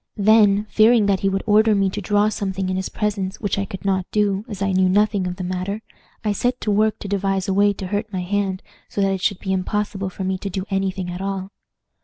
Then, fearing that he would order me to draw something in his presence, which I could not do, as I knew nothing of the matter, I set to work to devise a way to hurt my hand so that it should be impossible for me to do any thing at all.